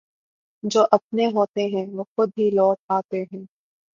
جواپنے ہوتے ہیں وہ خودہی لوٹ آتے ہیں